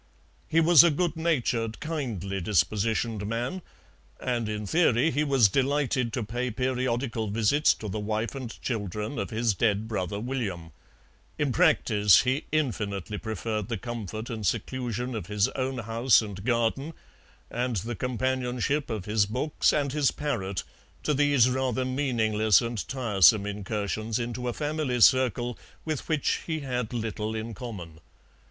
He was a good natured, kindly dispositioned man, and in theory he was delighted to pay periodical visits to the wife and children of his dead brother William; in practice, he infinitely preferred the comfort and seclusion of his own house and garden, and the companionship of his books and his parrot to these rather meaningless and tiresome incursions into a family circle with which he had little in common.